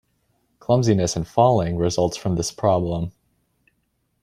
Clumsiness and falling results from this problem.